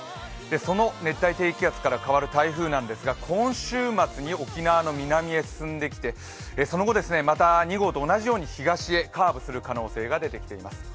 その熱帯低気圧から変わる台風なんですが今週末に沖縄の南へ進んできてその後また２号と同じように東へカーブする可能性が出てきています。